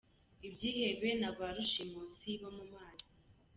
Ibyihebe na ba rushimusi bo mu mazi….